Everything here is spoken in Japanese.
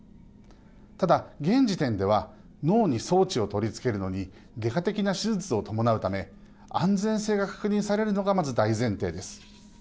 ただ、現時点では脳に装置を取り付けるのに外科的な手術を伴うため安全性が確認されるのがまず大前提です。